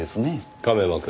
亀山くん。